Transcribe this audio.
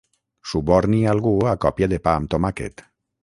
Suborni algú a còpia de pa amb tomàquet.